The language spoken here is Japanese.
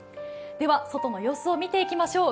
では外の様子を見ていきましょう。